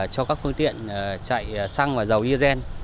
cho các phương tiện chạy xăng và dầu e gen